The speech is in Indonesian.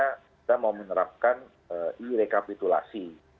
kita mau menerapkan e rekapitulasi